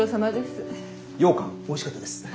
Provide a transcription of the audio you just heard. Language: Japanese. ようかんおいしかったです。